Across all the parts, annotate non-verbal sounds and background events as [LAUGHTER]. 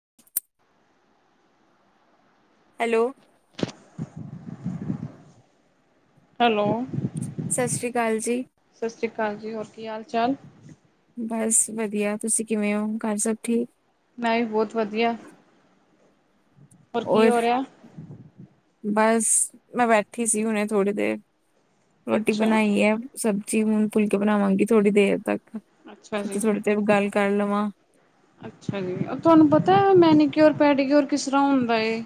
[UNINTELLIGIBLE] Hello hello ਸਤਿ ਸ੍ਰੀ ਅਕਾਲ ਜੀ। ਸਤਿ ਸ਼੍ਰੀ ਅਕਾਲ ਜੀ, ਹੋਰ ਕੀ ਹਾਲ- ਚਾਲ। ਬਸ ਵਧੀਆ, ਤੁਸੀਂ ਕਿਵੇਂ ਹੋ ਘਰ ਸਭ ਠੀਕ? ਮੈਂ ਵੀ ਬਹੁਤ ਵਧੀਆ। ਹੋਰ ਕੀ ਔਰ ਹੋ ਰਿਹਾ? ਬਸ ਮੈਂ ਬੈਠੀ ਸੀ, ਹੁਣੇ ਥੋੜੀ ਦੇਰ। ਰੋਟੀ ਅੱਛਾ ਬਣਾਈ ਹੈ ਸਬਜ਼। ਜੀ ਹੁਣ ਫੁਲਕੇ ਬਣਾਵਾਂਗੀ ਥੋੜੀ ਦੇਰ ਤੱਕ। ਅੱਛਾ ਜੀ ਸਚੇ ਥੋੜੇ ਤੇ ਗੱਲ ਕਰ ਲੋ। ਵਾਂ। ਅੱਛਾ ਜੀ, ਤੁਹਾਨੂੰ ਪਤਾ ਹੈ ਮੈਨੀਕਿਓਰ ਪੈਡੀਕਿਓਰ ਕਿਸ ਤਰ੍ਹਾਂ ਹੁੰਦਾ ਏ?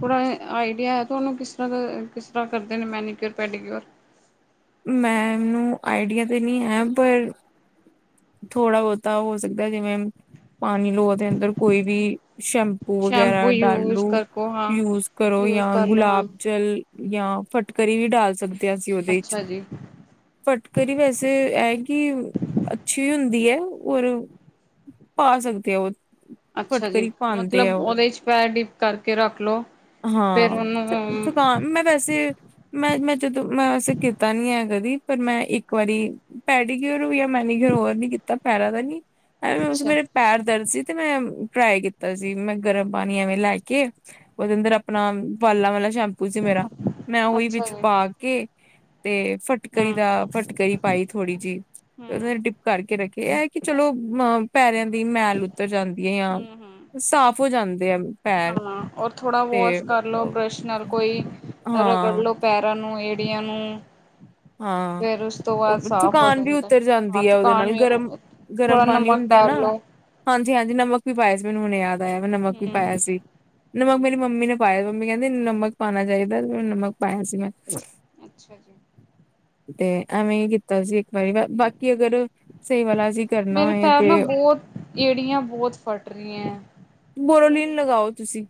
ਥੋੜ੍ਹਾ ਆਈਡੀਆ ਹੈ ਤੁਹਾਨੂੰ ਕਿਸ ਤਰ੍ਹਾਂ ਦਾ, ਕਿਸ ਤਰ੍ਹਾਂ ਕਰਦੇ ਨੇ ਮੈਨੀਕਿਓਰ ਪੈਡੀਕਿਓਰ? ਮੈਂਨੂੰ ਆਈਡੀਆ ਤੇ ਨੀ ਹੈ ਪਰ ਥੋੜਾ ਬਹੁਤਾ ਹੋ ਸਕਦਾ ਏ ਜਿਵੇਂ ਪਾਣੀ ਲੋ, ਓਹਦੇ ਅੰਦਰ ਕੋਈ ਵੀ ਸ਼ੈਂਪੂ ਸ਼ੈਂਪੂ ਵਗੈਰਾ ਯੂਜ ਡਾਲੂ, ਕਰਕੋ ਹਾਂ ਯੂਜ ਕਰੋ ਯੂਜ ਯਾ ਕਰ ਲੋ ਹਾਂ ਗੁਲਾਬ ਜਲ ਯਾ ਫਟਕਰੀ ਵੀ ਡਾਲ ਸਕਦੇ ਦੇ ਹਾ ਅਸੀ ਉਹਦੇ ਚ, ਅੱਛਾ ਜੀ ਫਟਕਰੀ ਵੈਸੇ ਐ ਕੀ ਅ ਅੱਛੀ ਹੁੰਦੀ ਹੈ, ਔਰ ਪਾ ਸਕਦੇ ਆ ਉਹ। ਅੱਛਾ ਜੀ, ਫਟਕਰੀ ਪਾਉਂਦੇ ਆ ਮਤਲਬ ਉਹ ਉਹਦੇ ਚ ਪੈਰ ਡਿਪ ਕਰਕੇ ਰੱਖ ਲਓ। ਫਿਰ ਹਾਂ ਉਹਨੂੰ ਥ ਥਕਾਨ ਮੈਂ ਵੈਸੇ ਮੈਂ-ਮੈਂ ਜਦੋਂ ਮੈਂ ਵੈਸੇ ਕੀਤਾ ਨੀ ਹੈ ਕਦੀ, ਪਰ ਮੈਂ ਇੱਕ ਵਾਰੀ ਪੈਡੀਕਿਉਰ ਵੀ ਏ, ਮੈਨੀਕਿਓਰ ਹੋਰ ਨੀ ਕੀਤਾ, ਪੈਰਾਂ ਦਾ ਨੀ ਮੈਮ ਉਸ ਸਮੇਂ ਅੱਛਾ ਮੇਰੇ ਪੈਰ ਦਰਦ ਸੀ। ਤੇ ਮੈਂ ਟਰਾਈ ਕੀਤਾ ਸੀ, ਮੈਂ ਗਰਮ ਪਾਣੀ ਐਵੇਂ ਲੈ ਕੇ ਉਹਦੇ ਅੰਦਰ ਆਪਣਾ ਵਾਲਾਂ ਵਾਲਾ ਸ਼ੈੰ ਪੂ ਸੀ ਮੇਰਾ, ਮੈਂ ਉਹੀ ਅੱਛਾ ਵਿੱਚ ਜੀ ਪਾ ਕੇ ਤੇ ਫਟਕਰੀ ਹੂੰ ਦਾ, ਫਟਕਰੀ ਪਾਈ ਥੋੜ੍ਹੀ ਜਿਹੀ, ਹੂੰ ਫਿਰ ਡਿਪ ਕਰਕੇ ਰੱਖੇ। ਇਹ ਕਿ ਚਲੋ ਮ ਪੈਰਿਆਂ ਦੀ ਮੈਲ ਉਤ ਉਤਰ ਜਾਂਦੀ ਹੈ, ਯਾ ਹੂੰ ਹੂੰ ਸਾਫ਼ ਹੋ ਜਾਂਦੇ ਆ। ਪੈਰ ਹਾਂ ਔਰ ਥੋੜ੍ਹੇ ਤੇ ਕਰਲੋ ਬਰੱਸ਼ ਨਾਲ ਕੋਈ, ਰਗੜ ਹਾਂ ਲਓ ਪੈਰਾਂ ਨੂੰ ਏ ਅਡੀਆਂ ਨੂੰ। ਹਾਂ, ਫੇਰ ਉਸ ਤੋਂ ਬਾਅਦ ਸਾਫ਼ ਹੋ ਥਕਾਨ ਵੀ ਜਾਂਦਾ। ਉਤਰ ਹਾਂ ਜਾਂਦੀ ਏ ਉਹਦੇ ਥਕਾਨ ਨਾਲ, ਵੀ ਗਰਮ-ਗਰਮ ਥੋੜਾ ਪਾਣੀ ਨਮਕ ਹੁੰਦਾ ਡਾਲ ਨਾ, ਲੋ ਹਾਂਜੀ-ਹਾਂਜੀ ਨਮਕ ਵੀ ਪਾਇਆ ਸੀ। ਮੈਂਨੂੰ ਹੁਣੇ ਯਾਦ ਪਾਇਆ, ਮੈਂ ਨਮਕ ਵੀ ਹੂੰ। ਪਾਇਆ ਸੀ। ਨਮਕ ਮੇਰੀ ਹੂੰ। ਮੰਮੀ ਨੇ ਪਾਇਆ ਮੰਮੀ ਕਹਿੰਦੀ ਨਮਕ ਪਾਉਣਾ ਚਾਹੀਦਾ ਏ, ਤੇ ਨਮਕ ਪਾਇਆ ਸੀ ਮੈਂ। ਅੱਛਾ ਜੀ। ਤੇ ਐਵੇਂ ਹੀ ਕੀਤਾ ਸੀ। ਪਏਗਾ, ਬਾਕੀ ਅਗਰ ਸਹੀ ਵਾਲਾ ਅਸੀਂ ਕਰਨਾ ਮੇਰੇ ਹੋਏ ਪੈਰ ਤੇ ਨਾ ਬਹੁਤ ਏੜੀਆਂ ਬਹੁਤ ਫਟ ਰਹੀਆਂ ਹੈ ਤੇ ਉਹਦੇ ਬੋਰੋਲੀਨ ਲਗਾਓ ਤੁਸੀਂ।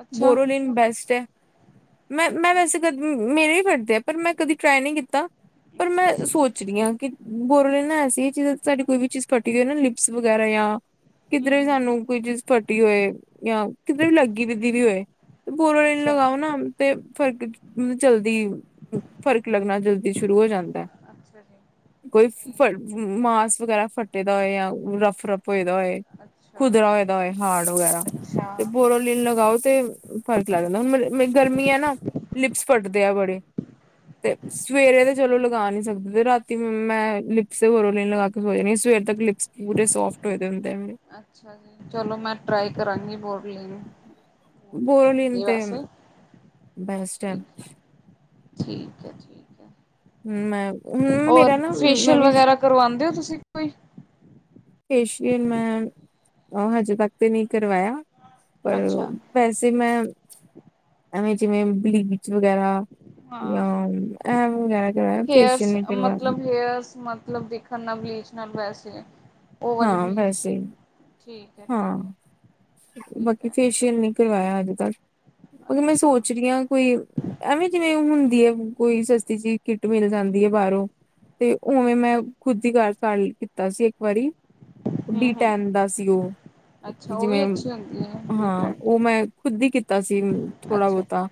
ਅੱਛਾ ਬੋਰੋਲੀਨ ਬੈਸਟ ਹੈ। ਮੈਂ-ਮੈਂ ਅੱਛਾ ਵੈਸੇ ਕ ਮੇਰੇ ਵੀ ਫਟਦੇ ਏ ਪਰ ਮੈਂ ਕਦੀ ਟਰਾਈ ਨਹੀਂ ਕੀਤਾ। ਪਰ ਅੱਛਾ ਮੈਂ ਜੀ ਸੋਚ ਰਹੀ ਹਾਂ ਕਿ ਬੋਰਲੀਨ ਨਾ ਅਸੀਂ [UNINTELLIGIBLE] ਜ ਸਾਡੀ ਕੋਈ ਵੀ ਚੀ [UNINTELLIGIBLE] ਫਟੀ ਏ ਨਾ ਲਿਪਸ ਵਗੈਰਾ ਜਾਂ ਹੂੰ ਕਿਧਰੇ ਹੂੰ ਸਾਨੂੰ ਕੋਈ ਚੀਜ਼ ਫ [UNINTELLIGIBLE] ਹੋਏ ਜਾਂ ਕਿਤੇ ਵੀ ਲੱਗੀ ਵੀਦੀ ਵੀ ਹੋਏ ਬੋਰੋ ਅੱਛਾ ਲਗਾਓ ਨਾ ਤੇ ਫਰਕ ਚਲਦੀ ਫ਼ਰਕ ਲੱਗਨਾ ਜਲਦੀ ਸ਼ੁਰੂ ਹੋ ਜਾਂਦਾ ਅੱਛਾ ਜੀ ਕੋਈ ਫ ਸਹੀ ਮਾਸ ਵਗੈਰਾ ਫੱਟੇ ਜਾਂ ਰਫ ਰੱਫ ਹੋਏ ਦਾ ਹੋਏ ਖੁਦਰਾ ਅੱਛਾ ਹੋਏ ਦਾ ਹੋਏ ਹਾਰਡ ਵਗੈਰਾ ਤੇ ਅੱਛਾ ਬੋਰੋ ਲਨ ਲਗਾਓ ਤੇ ਫਰਕ ਲੱਗ ਜਾਂਦਾ ਹੁਣ ਗਰਮੀ ਆ ਨਾ ਲਿਪਸ ਫਟਦੇ ਆ ਬੜੇ [UNINTELLIGIBLE] ਤੇ ਸਵੇਰੇ ਤੇ ਚਲੋ ਲਗਾ ਨੀ ਸਕਦੇ ਤੇ ਰਾਤੀ ਮੈਂ ਲਿਪਸ ਦੇ ਬੋਰੋਂਲੀਨ ਲਈ ਲਗਾ ਕੇ ਸੋਚਣੀ ਸਵੇਰੇ ਤੱਕ ਲਿਪਸ ਪੂਰੇ ਸੋਫਟ ਹੋ ਚਲੋ ਮੈਂ ਟਰਾਈ ਕਰਾਂਗੀ ਬੋਰਲੀਨ ਬਹੁਤ ਅੱਛੇ ਬੋਰੋਲੀਨ ਹੁੰਦੇ ਤੇ ਵੈਸੇ ਬਸਟ ਹੈ ਠੀਕ ਹੈ ਠੀਕ ਹੈ ਹਮ ਮੈਂ ਹਮ ਮੇਰਾ ਨਾ ਮੈਂ ਵੀ ਸਿੱਖਈ [UNINTELLIGIBLE] ਫੇਸ਼ੀਅਲ ਮੈਂ ਹਜੇ ਤੱਕ ਤੇ ਨਹੀਂ ਕਰਵਾਇਆ ਪਰ ਅੱਛਾ ਵੈਸੇ ਮੈਂ ਐਵੇਂ ਜਿਵੇਂ ਬਲੀਚ ਵਗੈਰਾ ਹਾਂ ਜਾਂ ਐ ਵਗੈਰਾ ਕਰਵਾਇਆ ਫੇਸ਼ੀਅਲ ਹੇਅਰਸ ਨਹੀਂ ਕਰਵਾਇਆ ਮਤਲਬ ਹੇਅਰਸ ਮਤਲਬ ਦਿਖਣ ਨਾ ਬਲੀਚ ਨਾਲੱਲ ਵੈ ਸੀ [UNINTELLIGIBLE] ਹਾਂ ਵੈਸੇ ਹੈ ਹਾਂ ਠੀਕ ਹੈ ਠੀਕ ਬਾਕੀ ਹੈ ਫੇਸ਼ੀਅਲ ਨੀ ਬਲੀਚ ਤੋਂ ਕਰਵਾਇਆ ਅੱਜ ਕੱਲ ਬਾ ਮੈਂ ਅੱਛਾ ਸੋਚ ਰਹੀ ਹਾਂ ਕੋਈ ਐਵੇਂ ਜਿਵੇਂ ਹੁੰ ਦੀ ਕੋਈ ਸਸਤੀ ਚੀਜ਼ ਕਿੱਟ ਮਿਲ ਜਾਂਦੀ ਹੈ ਬਾਹਰੋਂ ਤੇ ਉਵੇਂ ਹਮ ਮੈਂ ਖੁਦ ਹੀ ਕਾਰ ਸ ਤਾ ਸੀ ਇੱਕ ਵਾਰੀ ਡੀ ਹਮ ਹਮ ਟੈਨ ਦਾ ਸੀ ਉਹ ਅੱਛਾ ਉਹ ਜਿਵੇਂ ਵੀ ਅੱਛੀ ਹੁੰਦੀ ਹੈ ਹਾਂ ਬੇਟਾ ਉਹ ਮੈਂ ਖੁਦ ਹੀ ਕੀਤਾ ਸੀ ਥੋੜਾ ਅੱਛਾ ਬਹੁਤਾ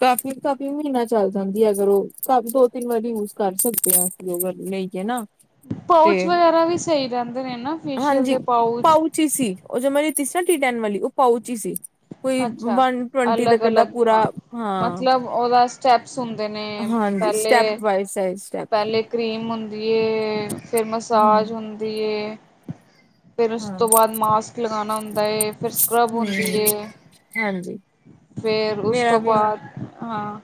ਕਾਫੀ ਕਾਫੀ ਮਹੀਨਾ ਚੱਲ ਜਾਂਦੀ ਹੈ ਅਗਰ ਉਹ ਕਾਫੀ ਦੋ ਤਿੰਨ ਵਾਰੀ ਯੂਜ ਕਰ ਸਕਦੇ ਹ ਅਸੀਂ ਉਹ ਲਈਏ ਨਾ ਪਾਊਚ ਤੇ ਵਗੈਰਾ ਵੀ ਸਹੀ ਰਹਿੰਦੇ ਨੇ ਨਾ ਫੇਸ਼ੀਅਲ ਹਾਂਜੀ ਦੇ ਪਾਊਚ ਪਾਊਚੀ ਸੀ ਉਹ ਜ ਮੇ ਤ ਸੀ ਨਾ ਟੈਣ ਵਾਲੀ ਉਹ ਪਹੁੰਚੀ ਸੀ ਕੋਈ ਅੱਛਾ ਵਨ ਟਵੰਟੀ ਅਲੱਗ ਤੱਕ ਦਾ ਅਲੱਗ ਪੂਰਾ ਮਾਂ ਹਾਂ ਮਤਲਬ ਉਹਦਾ ਸਟੈਪਸ ਹੁੰਦੇ ਨੇ ਹਾਂਜੀ ਸਟੈਪ ਪਹਿਲੇ ਬਾਏ ਸਾਈਜ਼ ਸਟੈਪ ਪਹਿਲੇ ਕਰੀਮ ਹੁੰਦੀ ਫੇਿਰ ਹੂੰ ਮਸਾਜ ਹੁੰ ਦੀਏ ਫਿਰ ਉਸ ਹਾਂ ਤੋਂ ਬਾਅਦ ਮਾਸਕ ਲਗਾਉਣਾ ਹੁੰਦਾ ਏ, ਫਿਰ ਸਕ੍ਰੱਬ ਹੂੰ ਹੁੰਦੀ। ਹਾਂਜੀ ਫੇਰ ਉਸ ਮੇਰਾ ਤੋਂ ਬਾਅਦ ਹਾਂ,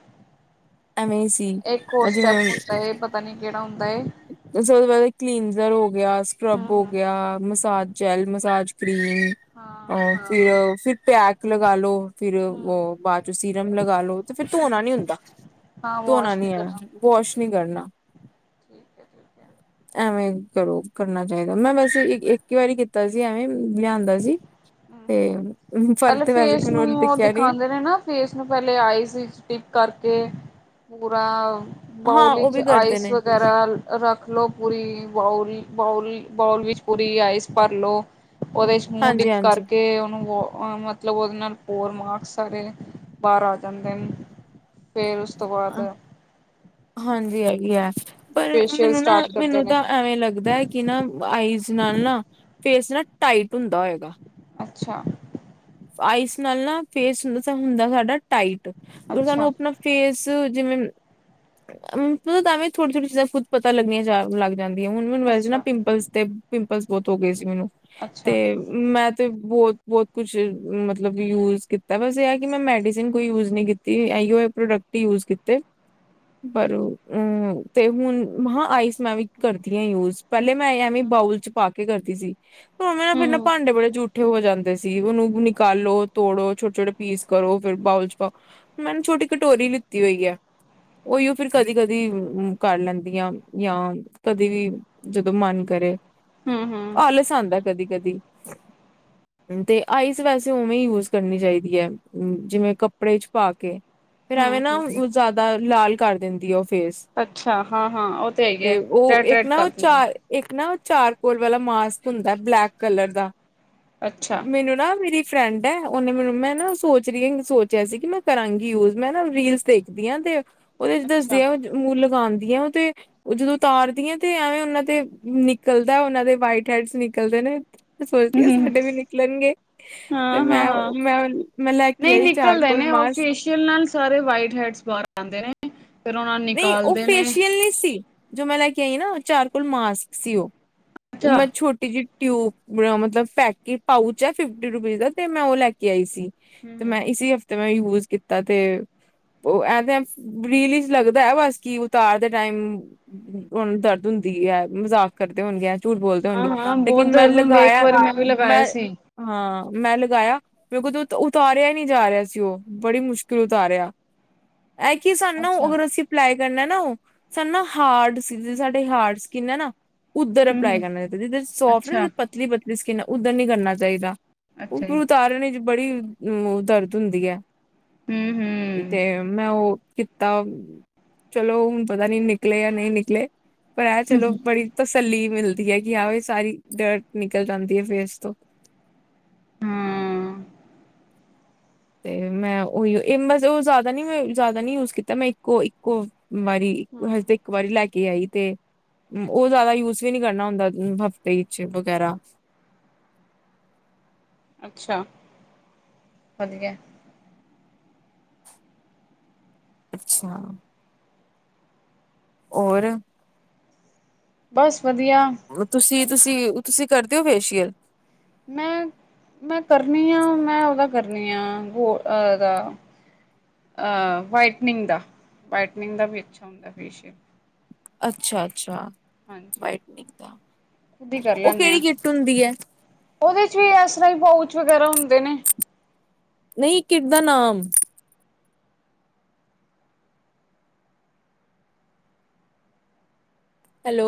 ਐਮੇ ਸੀ। ਇੱਕ ਹੋਰ ਇਹ ਸਟੈਪ ਜਿਵੇਂ ਹੁੰਦਾ ਏ ਪਤਾ ਨੀ ਕਿਹੜਾ ਹੁੰਦਾ ਏ ਉਹ ਤੋਂ ਬਾਅਦ ਕਲੀਨਜਰ ਹੋ ਗਿਆ, ਸਕ੍ਰੱਬ ਹੂੰ ਹੋ ਹੂੰ ਗਿਆ, ਮਸਾਜ ਜੈਲ ਮਸਾਜ ਹਾਂ ਔਰ ਹਾਂ ਫਿਰ- ਫਿਰ ਪੈਕ ਲਗਾ ਲਓ, ਫਿਰ ਹੂੰ ਉਹ ਬਾਅਦ ਚੋਂ ਸਿਰਮ ਲਗਾ ਲਓ ਤੇ ਫਿਰ ਧੋਣਾ ਹੂੰ ਨੀ ਹੁੰਦਾ, ਹਾਂ ਧੋਣਾ ਵਾਸ਼ ਨੀ ਨਹੀਂ ਹੈ ਕਰਨਾ ਠੀਕ ਵਾਸ਼ ਹੈ ਨੀ ਠੀਕ ਕਰਨਾ। ਠੀਕ ਹੈ ਠੀਕ ਹੈ ਐਵੇਂ ਕਰੋ, ਕਰਨਾ ਚਾਹੀਦਾ। ਮੈਂ ਬੇਸੇ ਠੀਕ ਇੱਕ ਹੀ ਵਾਰੀ ਕੀਤਾ ਸੀ ਐਵੇਂ ਲਿਆਂਦਾ ਸੀ। ਹੂੰ ਤੇ -। ਹੂੰ, ਫ਼ਰਕ ਪਹਿਲੇ ਤੇ ਵੈਸੇ ਫੇਸ ਮੈਨੂੰ ਨੂੰ ਉਹ ਦਿਖਿਆ ਨੀ ਦਿਖਾਉਦੇ ਨੇ ਨਾ ਫੇਸ ਨੂੰ ਪਹਿਲੇ ਆਈਸ ਵਿੱਚ ਟਿਪ ਕਰਕੇ ਪੂਰਾ ਹਾਂ ਬਾਊਲ ਉਹ ਚ ਵੀ ਕਰਦੇ ਆਈਸ ਨੇ ਵਗੈਰਾ ਰੱਖ ਲੋਓ, ਪੂਰੀ ਬਾਊਲ ਬਾਊਲ, ਬਾਊਲ ਵਿੱਚ ਪੂਰੀ ਆਈਸ ਭਰ ਲੋ। ਉਹਦੇ ਚ ਮੂੰਹ ਡੀ ਹਾਂਜੀ ਹਾਂਜੀ ਕਰਕੇ ਉਹਨੂੰ ਵੋ ਅ ਮਤਲਬ, ਉਹਦੇ ਨਾਲ ਪੋਰ ਮਾਰ ਸਕਦੇ ਸਾਰੇ ਬਾਹਰ ਆ ਜਾਂਦੇ ਨੇ। ਫਿਰ ਉਸ ਤੋਂ ਬਾਅਦ ਹਾਂਜੀ, ਵੀ ਆ। [UNINTELLIGIBLE] ਪਰ ਫੇਸ਼ੀਅਲ ਮੈਨੂੰ ਨਾ, ਸਟਾਰਟ ਕਰਦੇ ਮੈਨੂੰ ਨੇ ਤਾਂ ਐਵੇਂ ਲੱਗਦਾ ਆ, ਕਿ ਨਾ ਆਈਜ ਨਾਲ ਨਾ ਫੇਸ ਨਾ ਟਾਈਟ ਹੁੰਦਾ ਹੋਏਗਾ। ਅੱਛਾ, ਆਈਸ ਨਾਲ ਨਾ ਫੇਸ ਹੁੰ ਹੁੰਦਾ। ਸਾਡਾ ਟਾਈਟ। ਅਗਰ ਸਾਨੂੰ ਅੱਛਾ ਆਪਣਾ ਫੇਸ ਜਿਵੇਂ ਅ ਤਾਂਵੇ ਥੋੜੀ -ਥੋੜੀ ਚੀਜ਼ਾਂ ਖੱਦ ਪਤਾ ਲੱਗੀਆਂ ਜਾ ਲੱਗ ਜਾਂਦੀਆ ਹੁਣ ਮੈਨੂੰ ਵੈਸੇ ਨਾ ਅੱਛਾ ਪਿੰਪਲਸ ਤੇ ਪਿੰਪਲਸ ਬਹੁਤ ਹੋ ਗਏ ਸੀ। ਮੈਨੂੰ ਤੇ ਅੱਛਾ ਮੈਂ ਤੇ ਬਹੁਤ -ਬਹੁਤ ਕੁਛ ਮਤਲਬ ਯੂਜ ਕੀਤਾ ਬਸੇ, ਇਹ ਹੈ ਕਿ ਮੈਂ ਮੈਡੀਸਿਨ ਕੋਈ ਯੂਜ ਨਹੀਂ ਕੀਤੀ ਇਹੀੋ ਪ੍ਰੋਡਕਟ ਯੂਜ ਕੀਤੇ। ਪਰ ਅ ਤੇ ਹੁਣ ਮ ਆਈਸ ਮੈਂ ਵੀ ਕਰਦੀ ਹਾਂ। ਯੂਜ ਪਹਿਲੇ ਮੈਂ ਐਵੇਂ ਹਮ ਬਾਊਲ ਚ ਪਾ ਕੇ ਕਰ ਕਿਸੀ ਭਾਵੇਂ ਨਾ ਫਿਰ ਨਾ ਹਮ ਭਾਂਡੇ ਬੜੇ ਜਝੂਠੇ ਹੋ ਜਾਂਦੇ ਸੀ ਉਹਨੂੰ ਕਾਲੋ ਤੋੜੋ, ਛੋਟੇ- ਛੋਟੇ ਪੀਸ ਕਰੋ, ਫਿਰ ਬਾਊਲ ਚ ਪਾਓ। ਮੈਨੂੰ ਛੋਟੀ ਕਟੋਰੀ ਲਿੱਤੀ ਹੋਈ ਆਉ ਓਹੀਓ ਫਿਰ ਕਦੀ -ਕਦੀ ਕਰ ਲੈਂਦੀ ਆ ਜਾਂ ਕਦੀ ਵੀ ਜਦੋਂ ਮਨ ਕਰੇ। ਹਮ ਹਮ ਹਮ ਆਲਸ ਆਉਂਦਾ ਕਦੀ- ਕਦੀ ਦੀ ਤੇ ਆਈ ਵੈਸੇ ਉਵੇਂ ਯੂਜ ਕਰਨੀ ਚਾਹੀਦੀ ਹੈ ਜਿਵੇਂ ਕੱਪੜੇ ਚ ਪਾ ਕੇ। ਫਿਰ ਐਵੇਂ ਹਮ ਨਾ ਹਮ ਜ਼ਿਆਦਾ ਲਾਲ ਕਰ ਦਿੰਦੀ ਉਹ ਫੇਸ ਅੱਛਾ ਹਾਂ-ਹਾਂ ਉਹ ਹੈਗੇ ਤੇ ਉਹ ਇੱਕ ਰੈਡ-ਰੈਡ ਨਾ ਕਰ ਉਹ ਦਿੰਦੇ ਚਾਰ ਇੱਕ ਨਾ ਚਾਰ ਕੋਲ ਵਾਲਾ ਮਾਸਕ ਹੁੰਦਾ ਬਲੈਕ ਕਲਰ ਦਾ ਅੱਛਾ। ਮੈਨੂੰ ਨਾ ਮੇਰੀ ਫਰੈਂਡ ਹੈ ਉਹਨੇ ਮੈਨੂੰ ਮੈਂ ਨਾ ਸੋਚ ਰਹੀ ਸੋਚਿਆ ਸੀ ਕਿ ਮੈਂ ਕਰਾਂਗੀ ਯੂਜ ਮੈਂ ਨਾ ਰੀਲਸ ਦੇਖਦੀ ਆ ਤੇ ਉਹਦੇ ਚ ਦੱਸਦੇ ਆ ਮ ਲਗਾਉਣ ਉਹ ਤੇ ਜਦੋਂ ਤਤਾਰਦੀਆਂ ਤੇ ਐਵੇਂ ਉਹਨਾਂ ਤੇ ਨਿਕਲਦਾ ਉਹਨਾਂ ਦੇ ਵਾਈਟ ਹੈਡਸ ਨਿਕਲਦੇ ਨੇ ਸੋਚਦੀ ਆ ਸਾਡੇ ਵੀ ਨਿਕਲਣਗੇ। ਤੇ ਹਾਂ, ਹਾਂ, ਮੈਂ ਹਾਂ, ਮੈਂ ਮੈਂ ਲੈ ਕੇ ਨਹੀਂ ਆਈ ਨਿਕਲਦੇ ਚਾਰਕੋਲ ਨੇ ਉਹ ਮਾਸਕ ਫੇਸ਼ੀਅਲ ਨਾਲ ਸਾਰੇ ਵਾਈਟ ਬਾਹ ਆਦੇ ਨੇ। ਉਹਨਾਂ ਨੂੰ ਨਹੀਂ ਉਹ ਨਿਕਾਲਦੇ ਨੇ ਫੇਸ਼ੀਅਲ ਨਹੀਂ ਸੀ ਜੋ ਮੈਂ ਲੈ ਕੇ ਆਈ ਨਾ। ਚਾਰ ਕੋਲ ਮਾਸਕ ਸੀ ਉਹ। ਅੱਛਾ ਮੈਂ ਛੋਟੀ ਜਿਹੀ ਟਿਊਬ ਮਤਲਬ ਪੈਕ ਕੇ ਪਾਊਚ ਆ ਫਿਫਟੀ ਰੁਪੀਜ਼ ਦਾ ਤੇ ਮੈਂ ਉਹ ਲੈ ਕੇ ਆਈ ਸੀ। ਤੇ ਹੂੰ-ਹੂੰ ਮੈਂ ਇਸੀ ਹਫ਼ ਤੇ ਮੈਂ ਯੂਜ ਕੀਤਾ ਤੇ ਉਹ ਐ ਰੀਲੀ ਲੱਗਦਾ ਬਸ ਕੀ ਉਤਾਰ ਦੇ ਟਾਈਮ ਹੁਣ ਦਰਦ ਹੁੰਦੀ ਹੈ, ਮਜ਼ਾਕ ਕਰਦੇ ਹੋਣਗੇ। ਝੂਠ ਬੋਲਦੇ ਹੋਣਗੇ ਹਾਂ-ਹਾਂ ਬਹੁਤ ਲੇਕਿਨ ਮੈਂ ਦਰਦ ਹੁੰਦਾ ਇੱਕ ਲਗਾਇਆ ਵਾਰੀ ਵੀ ਲਗਾਇਆ ਮੈਂ ਸੀ ਹਾਂ। ਮੈਂ ਲਗਾਇਆ ਕਿਕ ਉਤਾਰਿਆ ਨਹੀਂ ਜਾ ਰਿਹਾ ਸੀ ਉਹ ਬੜੀ ਮੁਸ਼ਕਿਲ ਉਤਾਰਿਆ ਇਹ ਕੀ ਅੱਛਾ ਅਗਰ ਅਸੀਂ ਪਲਾ ਨਾ ਉਹ ਸਾਨੂੰ ਨਾ ਹਾਰਡ ਸਾਡੇ ਹਾਰਡ ਸਕਿਨ ਹੈ ਨਾ। ਉੱਧਰ ਅਪਲਾਈ ਹੂੰ-ਹੂੰ ਕਰਨਾ ਦਿੱ ਜਿਰ ਸੋਫਟ ਨਾ ਜ ਅੱਛਾ-ਅੱਛਾ ਪਤਲੀ ਪਤ ਜਿਸਿਨ ਉੱਧਰ ਨਹੀਂ ਕਰਨਾ ਚਾਹੀਦਾ। ਜੀ ਉਹਪੂ ਉਤਾਰੇ ਨੇ। ਬੜੀ ਦਰਦ ਹੁੰਦੀ ਹੈ। ਹੂੰ-ਹੂੰ ਤੇ ਮੈਂ ਉਹ ਤਾਂ ਚਲੋ ਹੁਣ ਪਤਾ ਨੀ ਨਿਕਲੇ ਜਾਂ ਨਹੀਂ ਨਿਕਲੇ। ਪਰ ਹੈ ਚਲੋ ਬੜੀ ਤਸੱਲੀ। ਮਿਲਦੀ ਹੈ ਕਿ ਆਹੋ ਇਹ ਸਾਰੀ ਡਰ ਨਿਕਲ ਜਾਂਦੀ ਹੈ ਫੇਸ ਤੋਂ। ਹਮ। ਤੇ ਮੈਂ ਉਹੀ ਮਸ ਉਹ ਜ਼ਿਆਦਾ ਨੀ ਮੈਂ ਜ਼ਿਆਦਾ ਨੀ ਯੂਜ ਕੀਤਾ ਮੈਂ ਇੱਕੋ ਇੱਕੋ ਵਾਰੀ ਹਜ ਹਾਂ-ਹਾਂ ਇੱਕ ਵਾਰੀ ਲੈ ਕੇ ਆਈ ਤੇ ਉਹ ਜ਼ਿਆਦਾ ਯੂਜ ਵੀ ਨੀ ਕਰਨਾ ਹੁੰਦਾ ਹਫ਼ਤੇ ਵਗੈਰਾ ਅੱਛਾ ਵਧੀਆ ਅੱਛਾ ਔਰ ਬਸ ਵਧੀਆ ਤੁਸੀਂ-ਤੁਸੀਂ ਕਰਦੇ ਓ ਫੇਸ਼ੀਅਲ ਮੈਂ ਮੈਂ ਕਰਨੀ ਆ ਮੈਂ ਉਹਦਾ ਕਰਨੀ ਆ ਗੋ ਉਹਦਾ ਵਾਈਟਨਿੰਗ ਦਾ ਵਾਈਟਨਿੰਗ ਦਾ ਵੀ ਅੱਛਾ ਹੁੰਦਾ ਫੇਸੀਅਲ ਅੱਛਾ-ਅੱਛਾ ਹਾਂਜੀ ਖੁਦ ਹੀ ਕਰ ਉਹ ਲੈਨੇ ਆ ਕਿਹੜੀ ਕਿੱਟ ਹੁੰਦੀ ਹੈ ਉਹਦੇ ਚ ਵੀ ਇਸ ਤਰ ਹੀ ਪਾਉ ਚ ਵਗੈਰਾ ਹੁੰਦੇ ਨੇ ਨਹੀਂ ਕਿੱਟ ਦਾ ਨਾਮ ਹੈਲੋ